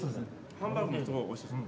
ハンバーグもおいしいです。